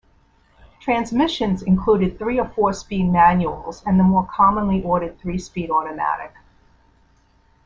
Transmissions included three- or four-speed manuals and the more commonly ordered three-speed automatic.